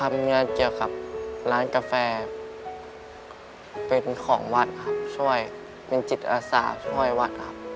งานเกี่ยวกับร้านกาแฟเป็นของวัดครับช่วยเป็นจิตอาสาช่วยวัดครับ